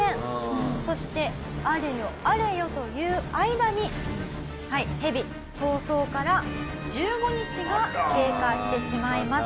そしてあれよあれよという間にヘビ逃走から１５日が経過してしまいます。